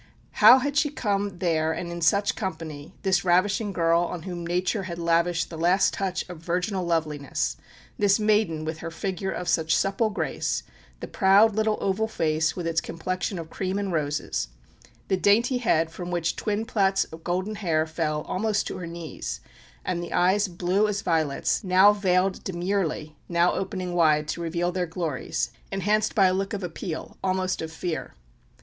How had she come there and in such company, this ravishing girl on whom Nature had lavished the last touch of virginal loveliness, this maiden with her figure of such supple grace, the proud little oval face with its complexion of cream and roses, the dainty head from which twin plaits of golden hair fell almost to her knees, and the eyes blue as violets, now veiled demurely, now opening wide to reveal their glories, enhanced by a look of appeal, almost of fear.